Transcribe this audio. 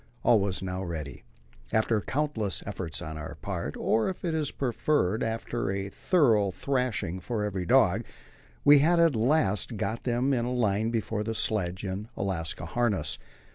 All was now ready; after countless efforts on our part, or, if it is preferred, after a thorough thrashing for every dog, we had at last got them in a line before the sledge in Alaska harness.